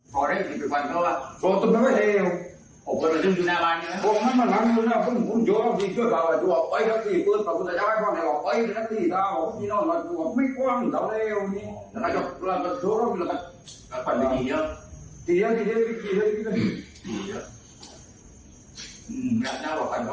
ก็ไม่มีกว้างเดี๋ยวเยอะ